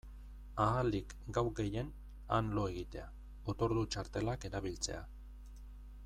Ahalik gau gehien han lo egitea, otordu-txartelak erabiltzea...